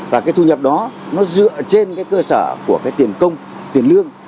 và cái thu nhập đó nó dựa trên cái cơ sở của cái tiền công tiền lương